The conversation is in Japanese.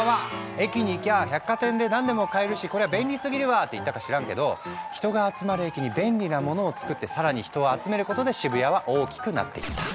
駅に行きゃあ百貨店で何でも買えるしこりゃ便利すぎるわ！」って言ったか知らんけど人が集まる駅に便利なものを作って更に人を集めることで渋谷は大きくなっていった。